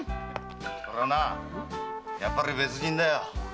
そりゃやっぱり別人だよ。